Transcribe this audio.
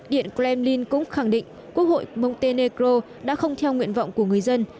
điện kremlin cũng khẳng định quốc hội montenegro đã không theo nguyện vọng của người dân